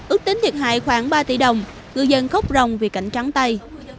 ước tính thiệt hại khoảng ba tỷ đồng người dân khóc ròng vì cảnh trắng tay